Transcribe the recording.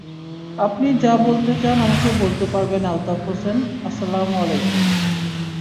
আপনি যা বলতে চান আমাকে বলতে পারবেন আলতাফ হোসেন, আসসালামু আলাইকুম।